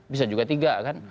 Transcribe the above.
bisa juga tiga kan